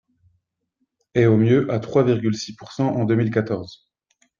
et au mieux à trois virgule six pourcent en deux mille quatorze.